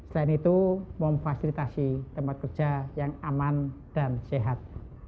selain itu memfasilitasi tempat kerja yang aman dan sehat